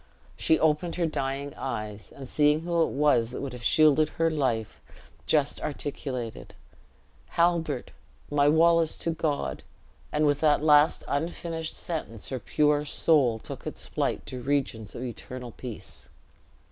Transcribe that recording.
She opened her dying eyes, and seeing who it was that would have shielded her life, just articulated, "Halbert! my Wallace to God " and with that last unfinished sentence her pure soul took its flight to regions of eternal piece.